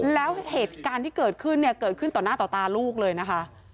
แล้วเหตุการณ์ที่เกิดขึ้นเนี่ยเกิดขึ้นต่อหน้าต่อตาลูกเลยนะคะ